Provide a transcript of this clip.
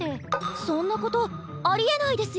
そんなことありえないですよね？